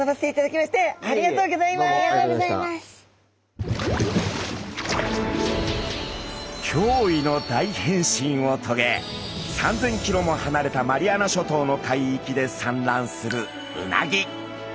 きょういの大変身をとげ３，０００キロもはなれたマリアナ諸島の海域で産卵するうなぎ。